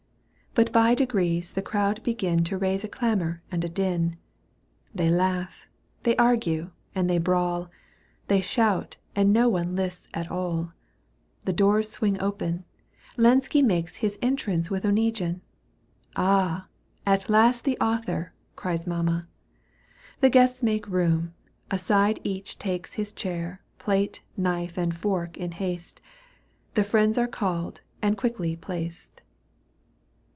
But by degrees the crowd begin To raise a clamour and a din : They laugh, they argue, and they bawl. They shout and no one lists at aU. The doors swing open : Lenski makes His entrance with Oneguine. " Ah ! At last the author !'* cries Mamma. The guests make room ; aside each takes His chair, plate, knife and fork in haste ; The friends are called and quickly placed.